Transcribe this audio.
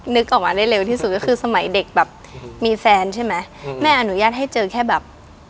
นึกออกมาได้เร็วที่สุดก็คือสมัยเด็กแบบมีแฟนใช่ไหมแม่อนุญาตให้เจอแค่แบบ